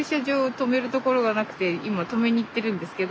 止めるところがなくて今止めに行ってるんですけど。